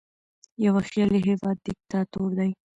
یوه خیالي هیواد دیکتاتور دی.